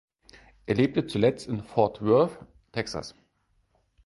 Er lebte zuletzt in Fort Worth, Texas.